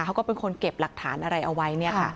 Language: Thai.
เขาก็เป็นคนเก็บหลักฐานอะไรเอาไว้